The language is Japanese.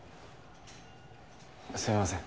すいません。